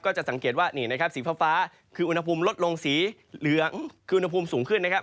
จะสังเกตว่านี่นะครับสีฟ้าคืออุณหภูมิลดลงสีเหลืองคืออุณหภูมิสูงขึ้นนะครับ